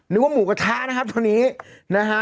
นึกว่าหมูกระทะนะครับตัวนี้นะฮะ